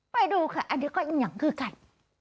ไปดูค่ะอันนี้ก็อิหยะงคือกัน